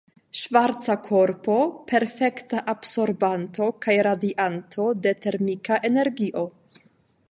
Ŝvarca Korpo: Perfekta absorbanto kaj radianto de termika energio.